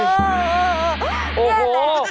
แล้วโอ้โฮ